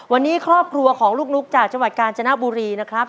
วันนี้ครอบครัวของลูกนุ๊กจากจังหวัดกาญจนบุรีนะครับ